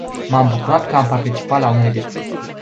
M-am bucurat că am participat la unele discuții.